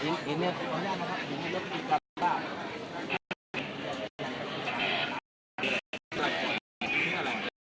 นี่ก็แหละไม่ใช่ร้านนี้